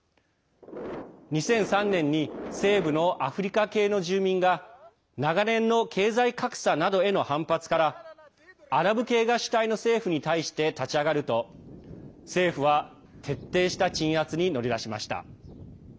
２００３年に西部のアフリカ系の住民が長年の経済格差などへの反発からアラブ系が主体の政府に対して立ち上がると政府は徹底した鎮圧に乗り出しました。